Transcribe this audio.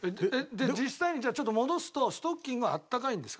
実際にじゃあちょっと戻すとストッキングはあったかいんですか？